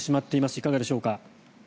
いかがでしょうか？